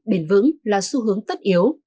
bền vững là xu hướng tất yếu